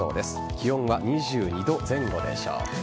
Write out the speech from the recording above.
気温は２２度前後でしょう。